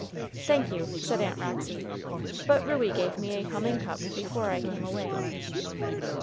"Thank you," said Aunt Roxy, "but Ruey gave me a humming cup before I came away."